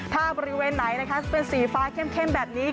ถ้าบริเวณไหนนะคะเป็นสีฟ้าเข้มแบบนี้